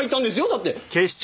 だって。